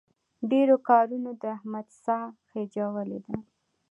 ډېرو کارونو د احمد ساه خېژولې ده.